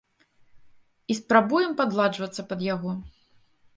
І спрабуем падладжвацца пад яго.